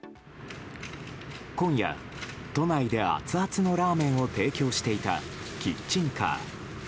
今夜、都内で、アツアツのラーメンを提供していたキッチンカー。